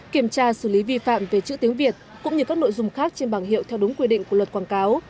kiểm tra xử lý vi phạm về chữ tiếng việt cũng như các nội dung khác trên bảng hiệu theo đúng quy định của luật quảng cáo